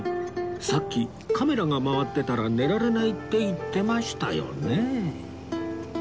さっきカメラが回ってたら寝られないって言ってましたよね？